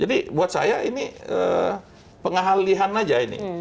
jadi buat saya ini penghalihan aja ini